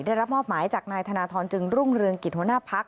ได้รับมอบหมายจากนายธนทรจึงรุ่งเรืองกิจหัวหน้าพัก